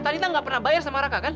talita nggak pernah bayar sama raka kan